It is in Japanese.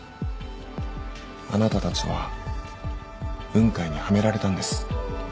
あなたたちは雲海にはめられたんです。